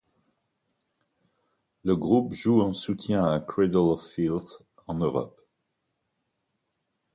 Le groupe joue en soutien à Cradle of Filth en Europe.